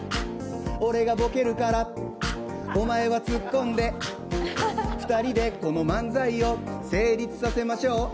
俺がボケるから、お前はツッコンで２人で、この漫才を成立させましょう。